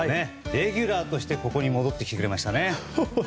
レギュラーとしてここに戻ってきてくれましたね。